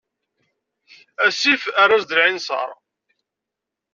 Asif err-as-d lɛinser.